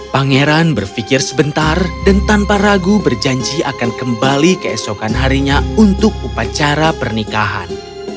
pangeran berpikir sebentar dan tanpa ragu berjanji akan kembali keesokan harinya untuk upacara pernikahan